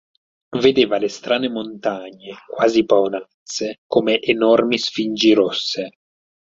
Vedeva le strane montagne, quasi paonazze, come enormi sfingi rosse.